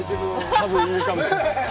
多分いるかもしれない。